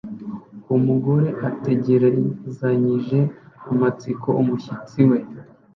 Umugore ategerezanyije amatsiko umushyitsi we